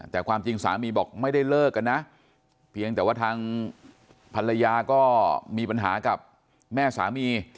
แต่ความจริงสามีบอกไม่ได้เลิกกันนะเพียงแต่ว่าทางภรรยาก็มีปัญหากับแม่สามี